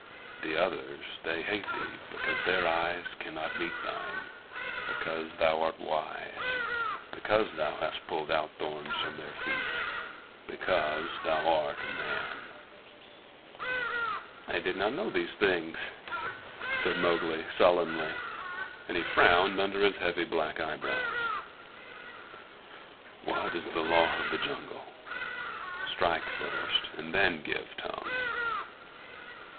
The others they hate thee because their eyes cannot meet thine; because thou art wise; because thou hast pulled out thorns from their feet because thou art a man." "I did not know these things," said Mowgli sullenly, and he frowned under his heavy black eyebrows. "What is the Law of the Jungle? Strike first and then give tongue.